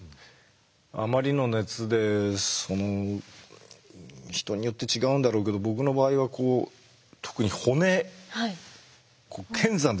あまりの熱でその人によって違うんだろうけど僕の場合はこう特に骨。